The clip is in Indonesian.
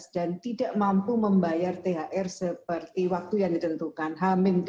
dan tidak mampu membayar thr seperti waktu yang ditentukan h tujuh